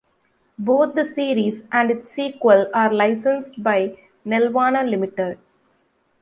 Both the series and its sequel are licensed by Nelvana Limited.